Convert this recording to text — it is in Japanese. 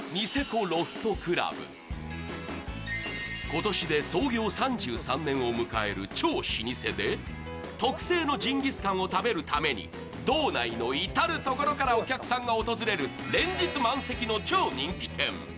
今年で創業３３年を迎えるニセコジンギスカンの超老舗で特製のジンギスカンを食べるために道内の至る所からお客さんが訪れる連日満席の超人気店。